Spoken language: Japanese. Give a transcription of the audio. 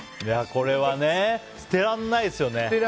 これは、捨てられないですよね。